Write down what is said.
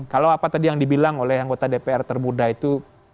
kalau apa tadi yang dibilang oleh anggota dpr termuda itu